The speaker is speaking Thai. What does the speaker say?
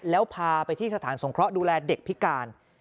แล้วพาไปที่สถานสงเคราะห์ดูแลเด็กพิการ